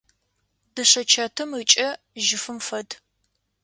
Дышъэчэтым ыкӏэ жьыфым фэд.